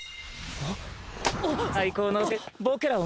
あっ！